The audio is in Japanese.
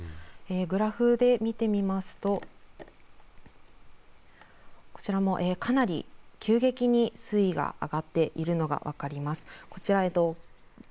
グラフで見てみますとこちらもかなり急激に水位が上がっているのが分かります。